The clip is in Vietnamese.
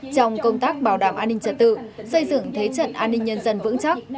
trong công tác bảo đảm an ninh trật tự xây dựng thế trận an ninh nhân dân vững chắc